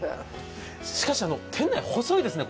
しかし、店内、細いですね。